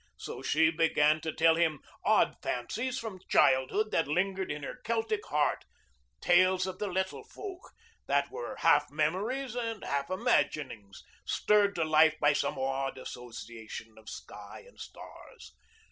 So she began to tell him odd fancies from childhood that lingered in her Celtic heart, tales of the "little folk" that were half memories and half imaginings, stirred to life by some odd association of sky and stars.